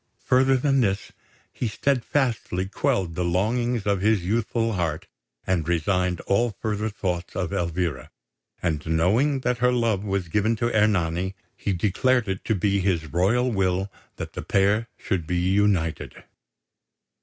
Further than this, he steadfastly quelled the longings of his youthful heart, and resigned all further thoughts of Elvira; and knowing that her love was given to Ernani, he declared it to be his royal will that the pair should be united.